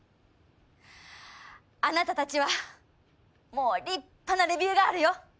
あなたたちはもう立派なレビューガールよ。